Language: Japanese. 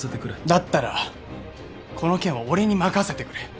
だったらこの件は俺に任せてくれ。